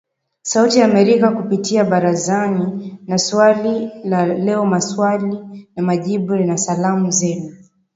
Sauti ya Amerika kupitia Barazani na Swali la Leo Maswali na Majibu, na Salamu Zenu